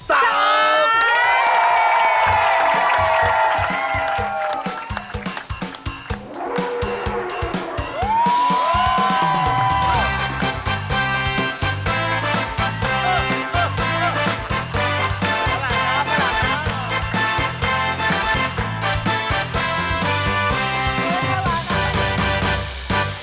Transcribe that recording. ช้างช้างช้างน้องหัวเย็นช้างแหลมราว